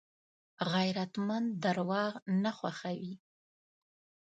غیرتمند درواغ نه خوښوي